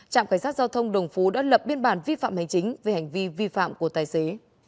trạm cảnh sát giao thông đồng phú đã lập biên bản vi phạm hành chính về hành vi vi phạm của tài xế